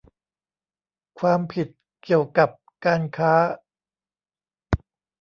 ความผิดเกี่ยวกับการค้า